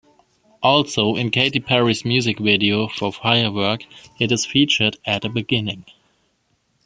Also, in Katy Perry's music video for "Firework", it is featured at the beginning.